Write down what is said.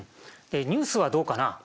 でニュースはどうかな？